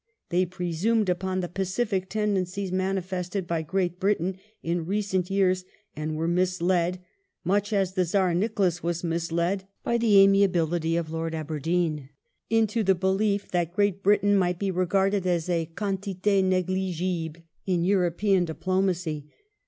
They presumed upon the pacific tendencies manifested by Great Britain in recent years, and were misled, much as the Czar Nicholas was misled by the amiability of Lord Aberdeen, into the belief that Great Britain might be regarded as a quantitd neglig ible in European diplomacy.